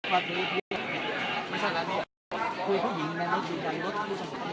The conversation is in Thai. จับแก่ก็จะมาหลุดไข่